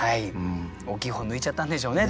大きい方抜いちゃったんでしょうね。